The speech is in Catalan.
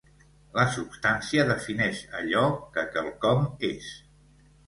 La substància defineix allò que quelcom és.